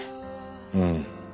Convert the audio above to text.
うん。